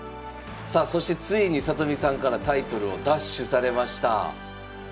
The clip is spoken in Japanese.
さあそしてついに里見さんからタイトルを奪取されました。